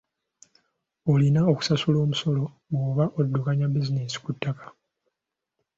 Olina okusasula omusolo bw'oba oddukanya bizinensi ku ttaka.